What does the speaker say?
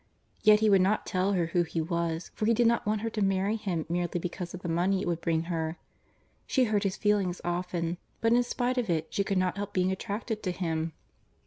Yet he would not tell her who he was, for he did not want her to marry him merely because of the money it would bring her. She hurt his feelings often, but in spite of it she could not help being attracted to him.